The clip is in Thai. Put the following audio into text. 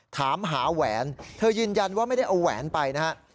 ถามหาแหวนเธอยืนยันว่าไม่ได้เอาแหวนไปนะฮะ